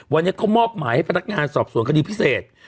วันนี้เขามอบหมายให้พนักงานสอบสวนคดีพิเศษ